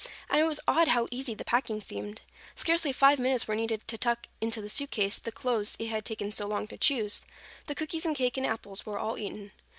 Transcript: And it was odd how easy the packing seemed. Scarcely five minutes were needed to tuck into the suit case the clothes it had taken so long to choose. The cookies and cake and apples were all eaten.